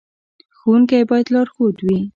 ښوونکی باید لارښود وي